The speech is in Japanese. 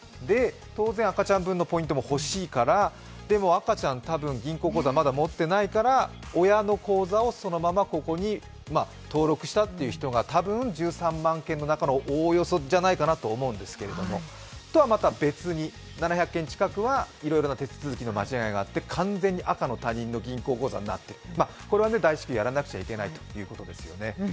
当然、赤ちゃん分のポイントも欲しいから、でも赤ちゃん多分まだ銀行口座を持っていないから親の口座をそのままここに登録したという人が多分、１３万件の中のおおよそじゃないかなとは思うんですが、とはまた別に７００件近くはいろいろな手違いがあって完全に赤の他人の銀行口座になってる、これは大至急やらなくちゃいけないということですよね。